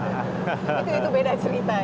itu beda cerita ya